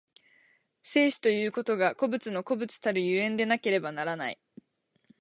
生死ということが個物の個物たる所以でなければならない。